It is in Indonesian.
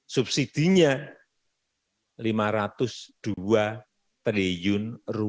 subsidinya rp lima ratus dua triliun